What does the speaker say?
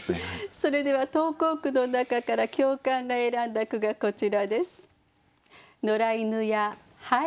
それでは投稿句の中から教官が選んだ句がこちらです。